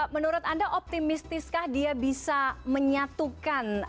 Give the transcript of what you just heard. menurut anda optimistiskah dia bisa menyatukan